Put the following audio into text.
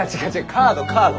カードカード。